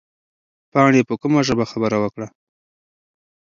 پاڼې په کومه ژبه خبره وکړه؟